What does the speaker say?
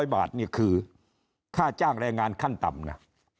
๐บาทนี่คือค่าจ้างแรงงานขั้นต่ำนะ